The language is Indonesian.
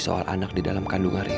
soal anak di dalam kandungan ri